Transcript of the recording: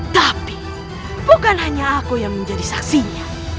tapi bukan hanya aku yang menjadi saksinya